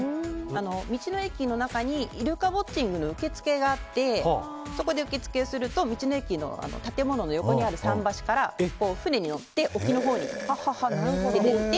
道の駅の中にイルカウォッチングの受け付けがあってそこで受け付けをすると道の駅の建物の横にある桟橋から船に乗って沖のほうに出て行って。